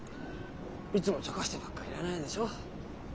いつも茶化してばっかりいられないでしょ。